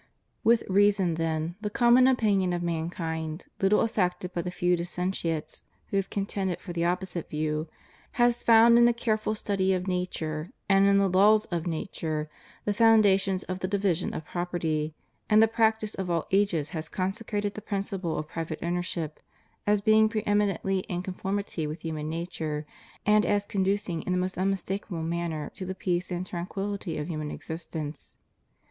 With reason, then, the common opinion of mankind, little affected by the few dissentients who have contended for the opposite view, has found in the careful study of nature, and in the laws of nature, the foundations of the division of property, and the practice of all ages has consecrated the principle of private ownership, as being pre eminently in conformity with, human nature, and as conducing in the most unmistakable manner to the peace and tranquillity of human existence.